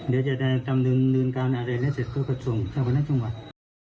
เดี๋ยวจะได้จำนึงการอะไรแล้วเสร็จก็ประสงค์ทางพระนักจังหวัด